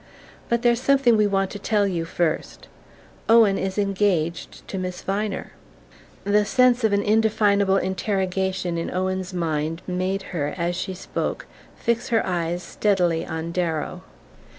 "But there's something we want to tell you first: Owen is engaged to Miss Viner." The sense of an indefinable interrogation in Owen's mind made her, as she spoke, fix her eyes steadily on Darrow.